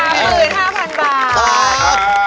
๓หมื่น๕๐๐๐บาท